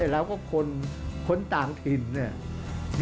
เราก็คนต่างถิ่น